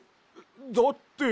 だって。